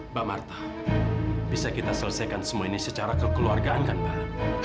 mbak marta bisa kita selesaikan semua ini secara kekeluargaan kan mbak